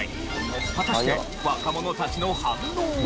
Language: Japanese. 果たして若者たちの反応は？